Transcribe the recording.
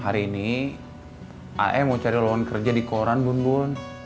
hari ini ae mau cari luan kerja di koran bun bun